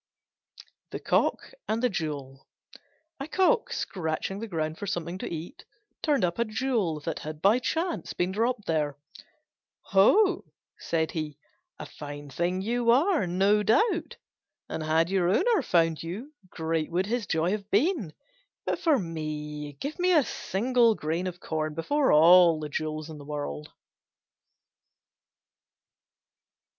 THE COCK AND THE JEWEL A Cock, scratching the ground for something to eat, turned up a Jewel that had by chance been dropped there. "Ho!" said he, "a fine thing you are, no doubt, and, had your owner found you, great would his joy have been. But for me! give me a single grain of corn before all the jewels in the world."